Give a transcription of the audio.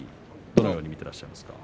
どのように見ていらっしゃいますか。